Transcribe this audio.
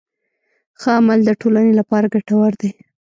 ښه عمل د ټولنې لپاره ګټور دی.